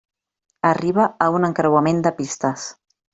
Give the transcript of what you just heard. Arriba a un encreuament de pistes.